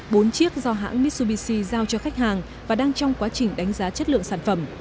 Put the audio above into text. bốn chiếc do hãng mitsubishi giao cho khách hàng và đang trong quá trình đánh giá chất lượng sản phẩm